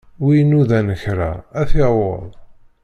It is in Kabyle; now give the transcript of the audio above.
Wi inudan kra, ad t-yaweḍ.